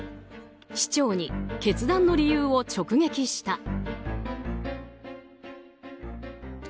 市長に決断の理由を直撃した。